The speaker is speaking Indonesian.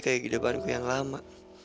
kayak hidupanku yang lama